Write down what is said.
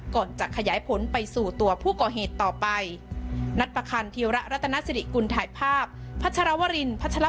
ก่อนจะขยายผลไปสู่ตัวผู้ก่อเหตุต่อไป